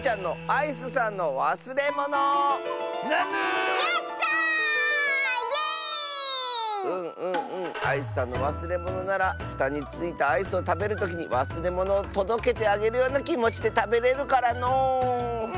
「アイスさんのわすれもの」ならふたについたアイスをたべるときにわすれものをとどけてあげるようなきもちでたべれるからのう。